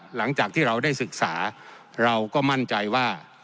หลังจากที่เราได้ศึกษาเราก็มั่นใจว่า